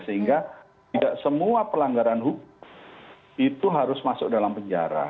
sehingga tidak semua pelanggaran hukum itu harus masuk dalam penjara